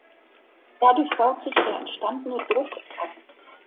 Dadurch baut sich der entstandene Druck ab.